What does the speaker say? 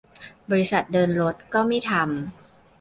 บริษัทเดินรถก็ไม่ทำ